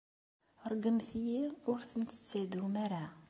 Ṛeggmem-iyi ur ten-tettadum ara.